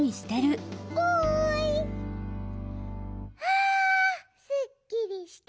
あすっきりした！